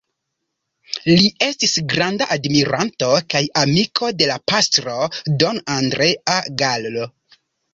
Li estis granda admiranto kaj amiko de la pastro Don Andrea Gallo.